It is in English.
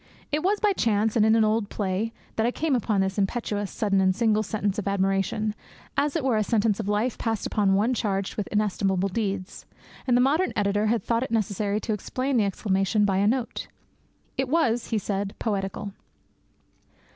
It was by chance, and in an old play, that I came upon this impetuous, sudden, and single sentence of admiration, as it were a sentence of life passed upon one charged with inestimable deeds; and the modern editor had thought it necessary to explain the exclamation by a note. It was, he said, poetical.